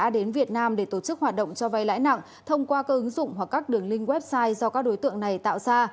để tổ chức hoạt động cho vay lãi nặng thông qua các ứng dụng hoặc các đường link website do các đối tượng này tạo ra